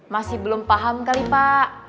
masih belum paham kali pak